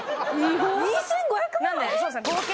２５００万？